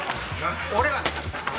俺は。